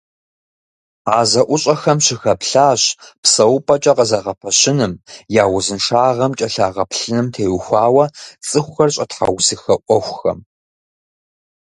А зэӀущӀэхэм щыхэплъащ псэупӀэкӀэ къызэгъэпэщыным, я узыншагъэм кӀэлъагъэплъыным теухуауэ цӀыхухэр щӀэтхьэусыхэ Ӏуэхухэм.